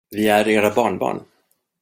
Vi är era barnbarn.